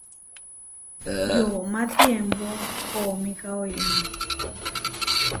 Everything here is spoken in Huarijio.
Yoʼomá tiembó koomíka oiná.